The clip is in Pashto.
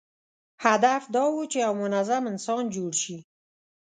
هدف دا و چې یو منظم انسان جوړ شي.